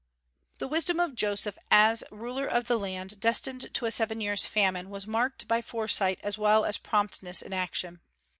The wisdom of Joseph as ruler of the land destined to a seven years' famine was marked by foresight as well as promptness in action.